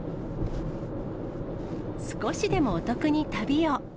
少しでもお得に旅を。